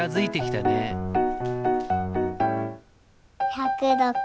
１０６。